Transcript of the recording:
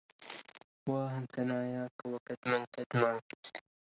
واهاً ثناياكَ وكَدماً كدما